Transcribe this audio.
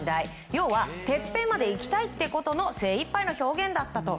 要はてっぺんまで行きたいってことの精いっぱいの表現だったと。